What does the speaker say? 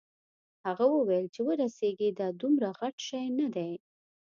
هغه وویل چې ورسیږې دا دومره غټ شی نه دی.